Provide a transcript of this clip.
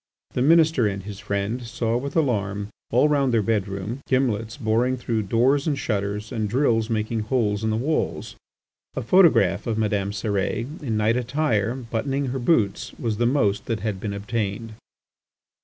The Minister and his friend saw with alarm all round their bed room, gimlets boring through doors and shutters, and drills making holes in the walls. A photograph of Madame Cérès in night attire buttoning her boots was the utmost that had been obtained.